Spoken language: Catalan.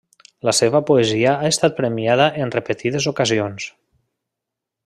La seva poesia ha estat premiada en repetides ocasions.